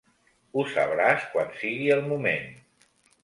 Ho sabràs quan sigui el moment.